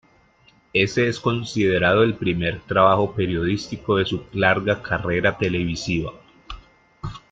Ese es considerado el primer trabajo periodístico de su larga carrera televisiva.